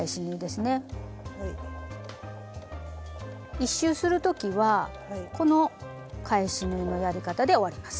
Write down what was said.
１周する時はこの返し縫いのやり方で終わります。